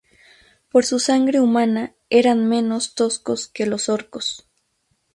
Por su sangre humana, eran menos toscos que los orcos.